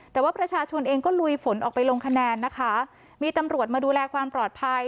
แต่ว่าประชาชนเองก็ลุยฝนออกไปลงคะแนนนะคะมีตำรวจมาดูแลความปลอดภัย